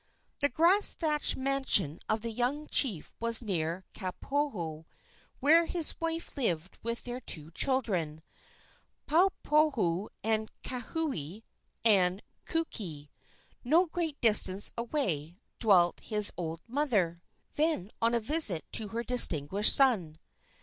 The grass thatched mansion of the young chief was near Kapoho, where his wife lived with their two children, Paupoulu and Kaohe; and at Kukii, no great distance away, dwelt his old mother, then on a visit to her distinguished son.